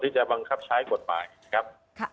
จะบังคับใช้กฎหมายนะครับ